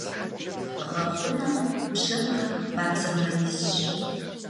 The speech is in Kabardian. Гъэхъунэм бжьэмрэ бадзэмрэ изщ.